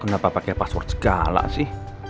kenapa pakai password segala sih